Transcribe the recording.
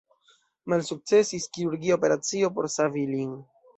Malsukcesis kirurgia operacio por savi lin.